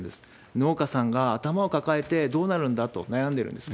農家さんが頭を抱えてどうなるんだ？と悩んでるんです。